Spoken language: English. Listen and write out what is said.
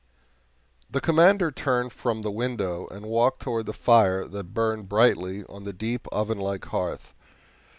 The Commander turned from the window and walked toward the fire that burned brightly on the deep ovenlike hearth.